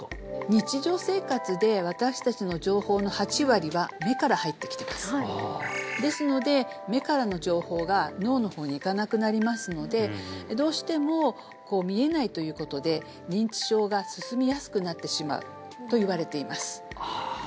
日常生活で私達のですので目からの情報が脳の方に行かなくなりますのでどうしても見えないということで認知症が進みやすくなってしまうといわれていますあ